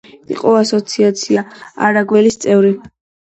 იყო ასოციაცია „არაგველის“ წევრი.